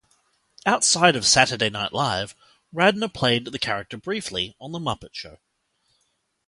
Outside of "Saturday Night Live", Radner played the character briefly on "The Muppet Show".